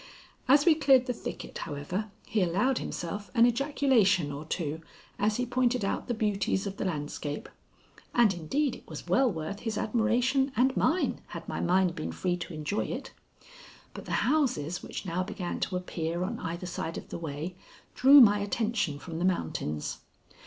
As we cleared the thicket, however, he allowed himself an ejaculation or two as he pointed out the beauties of the landscape. And indeed it was well worth his admiration and mine had my mind been free to enjoy it. But the houses, which now began to appear on either side of the way, drew my attention from the mountains.